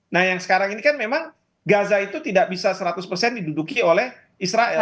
nah yang sekarang ini kan memang gaza itu tidak bisa seratus persen diduduki oleh israel